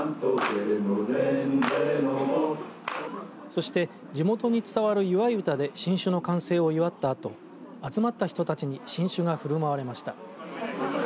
そして地元に伝わる祝い唄で新酒の完成を祝ったあと集まった人たちに新酒が振る舞われました。